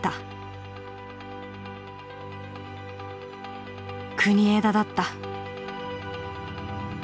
国枝だった。